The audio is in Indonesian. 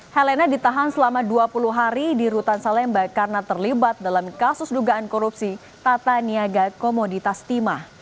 helena ditahan selama dua puluh hari di rutan salemba karena terlibat dalam kasus dugaan korupsi tata niaga komoditas timah